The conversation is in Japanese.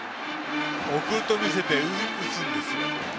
送ると見せて打つんですよ。